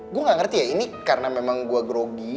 gue gak ngerti ya ini karena memang gue grogi